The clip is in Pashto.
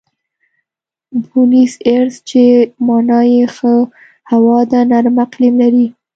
بونیس ایرس چې مانا یې ښه هوا ده، نرم اقلیم لري.